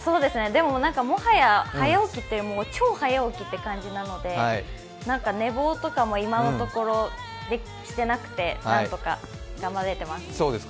でももはや、早起きというより超早起きって感じなので、何か寝坊とかも今のところしてなくて、何とか頑張れています。